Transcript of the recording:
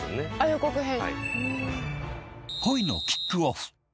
予告編。